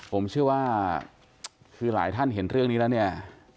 ผมเชื่อว่าคือหลายท่านเห็นเรื่องนี้แล้วเนี่ย